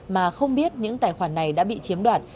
mà không biết những tài khoản này đã bị chiếm đoạt